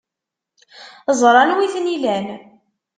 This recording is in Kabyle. Ẓran wi ten-ilan.